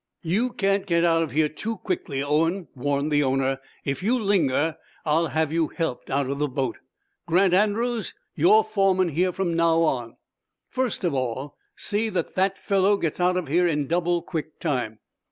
"You can't get out of here too quickly, Owen!" warned the owner. "If you linger, I'll have you helped out of this boat! Grant Andrews, you're foreman here from now on." "First of all, see that that fellow gets out of here in double quick time."